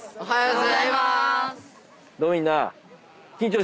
「はい！」